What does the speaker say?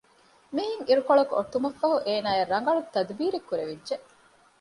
މިހެން އިރުކޮޅަކު އޮތުމަށް ފަހު އޭނާޔަށް ރަނގަޅު ތަދުބީރެއް ކުރެވިއްޖެ